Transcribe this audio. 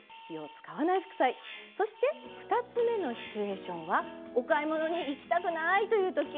そして２つ目のシチュエーションはお買い物に行きたくないというとき。